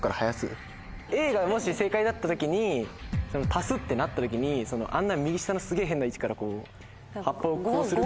Ａがもし正解だった時に足すってなった時にあんな右下のすげぇ変な位置から葉っぱをこうするか。